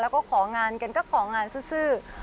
แล้วก็ของานกันก็ของานซื้อ